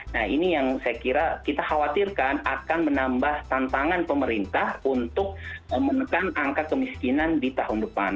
nah ini yang saya kira kita khawatirkan akan menambah tantangan pemerintah untuk menekan angka kemiskinan di tahun depan